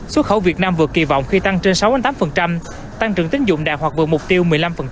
xuất khẩu việt nam vượt kỳ vọng khi tăng trên sáu tám tăng trưởng tín dụng đạt hoặc vượt mục tiêu một mươi năm